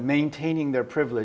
mempertahankan kemampuan mereka